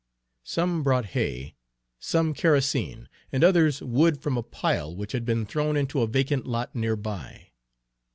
Some brought hay, some kerosene, and others wood from a pile which had been thrown into a vacant lot near by.